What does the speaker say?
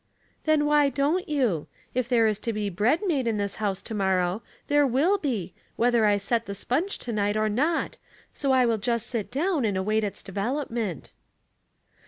*' Then why dont you ? If there is to be bread made in this house to morrow, there will be, whether I set the sponge to night or not, so 1 will just sit down and await its development."